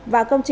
và không khí